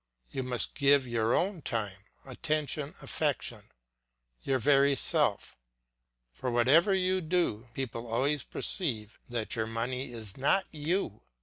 You must give your own time, attention, affection, your very self; for whatever you do, people always perceive that your money is not you.